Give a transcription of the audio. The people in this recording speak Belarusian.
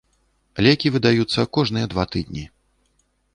Лекі выдаюцца кожныя два тыдні.